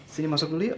sini masuk dulu yuk